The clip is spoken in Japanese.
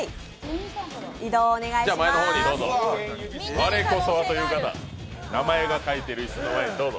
我こそはという方、名前の書いている椅子にどうぞ。